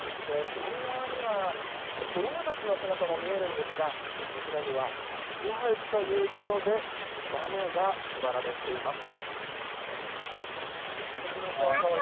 そして、左側には子供たちの姿も見えますがこちらには福は内ということで豆が配られています。